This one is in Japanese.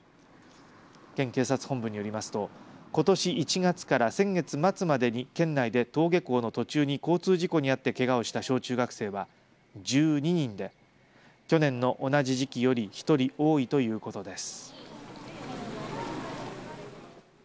県警察本部によりますとことし１月から先月末までに県内で登下校の途中に交通事故にあってけがをした小中学生は１２人で去年の同じ時期より１人多いということです。